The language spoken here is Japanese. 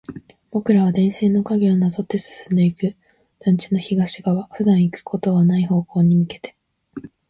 僕らは電線の影をなぞって進んでいく。団地の東側、普段行くことはない方に向けて。